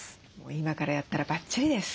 今からやったらバッチリです。